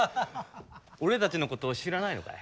俺たちのことを知らないのかい？